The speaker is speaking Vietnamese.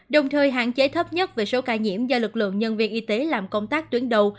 đồng thời hạn chế thấp nhất về số ca nhiễm do lực lượng nhân viên y tế làm công tác tuyến đầu